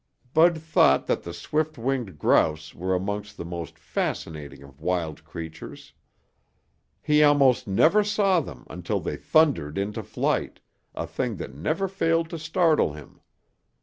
Bud thought that the swift winged grouse were among the most fascinating of wild creatures. He almost never saw them until they thundered into flight, a thing that never failed to startle him.